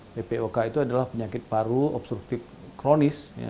ppok itu adalah penyakit paru obstruktif kronis